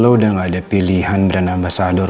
lo udah gak ada pilihan brand ambasador